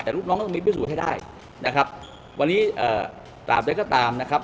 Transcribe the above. แต่ลูกน้องต้องมีพิสูจน์ให้ได้นะครับวันนี้เอ่อตราบใดก็ตามนะครับ